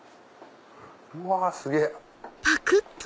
うわすげぇ！